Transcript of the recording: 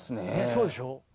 そうでしょ。